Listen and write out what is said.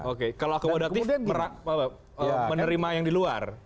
oke kalau akomodatif menerima yang di luar